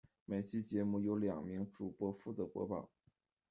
每期节目由两名主播负责播报。